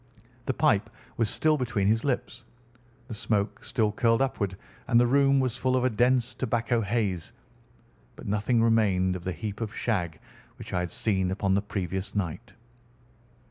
The pipe was still between his lips, the smoke still curled upward, and the room was full of a dense tobacco haze, but nothing remained of the heap of shag which I had seen upon the previous night.